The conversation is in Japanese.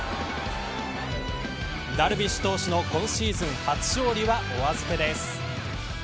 ダルビッシュ投手の今シーズン初勝利はお預けです。